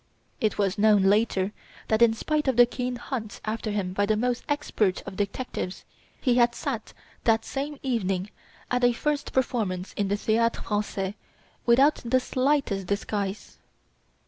It was known later that, in spite of the keen hunt after him by the most expert of detectives, he had sat that same evening at a first performance in the Theatre Francais, without the slightest disguise.